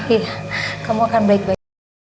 iya kamu akan baik baik